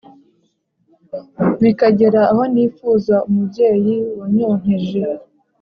bikagera aho nifuza umubyeyi wanyonkeje